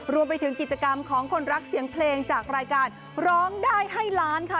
รวมไปถึงกิจกรรมของคนรักเสียงเพลงจากรายการร้องได้ให้ล้านค่ะ